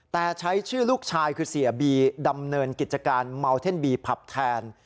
แต่ใช้ชื่อลูกชายคือเสียบีดำเนินกิจการเมาเท่นบีผับแทน